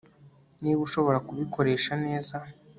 Niba ushobora kubikoresha neza